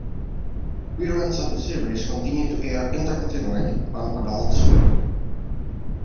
Reruns of the series continue to air intermittently on Adult Swim.